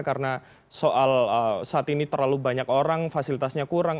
karena soal saat ini terlalu banyak orang fasilitasnya kurang